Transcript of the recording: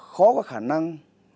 khó có khả năng